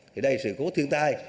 thì đây là sự cố thiên tai